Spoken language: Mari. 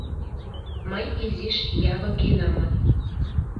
Мый изиш явыгенамат.